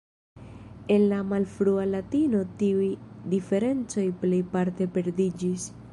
En la malfrua latino tiuj diferencoj plejparte perdiĝis.